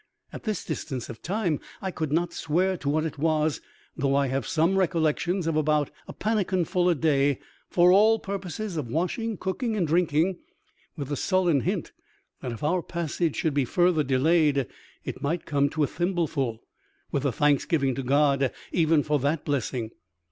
At this distance of time I could not swear to what it was, though I have some recollection of about a pannikin full a day for all purposes of wash THIRST/ AN OCEAN INCIDENT. 47 ing, cooking, and drinking, with a sullen hint that if our passage should he further delayed it might come to a thimhleful, with a thanksgiving to God even for that blessing.